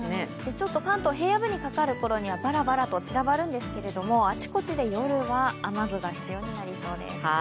ちょっと関東、平野部にかかる頃にはバラバラとちらばるんですがあちこちで夜は雨具が必要になりそうです。